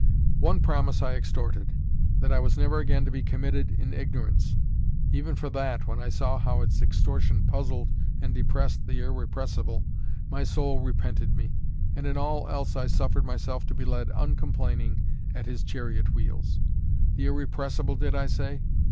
One promise I extorted that I was never again to be committed in ignorance; even for that, when I saw how its extortion puzzled and depressed the Irrepressible, my soul repented me; and in all else I suffered myself to be led uncomplaining at his chariot wheels. The Irrepressible, did I say?